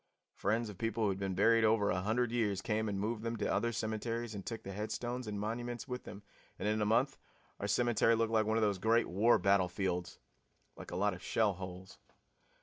Friends of people who had been buried over a hundred years came and moved them to other cemeteries and took the headstones and monuments with them, and in a month our cemetery looked like one of those Great War battlefields like a lot of shell holes.